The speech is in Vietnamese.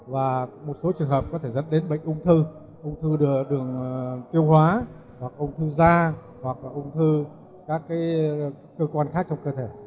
và một số trường hợp có thể dẫn đến bệnh ung thư ung thư đường tiêu hóa hoặc ung thư da hoặc ung thư các cơ quan khác trong cơ thể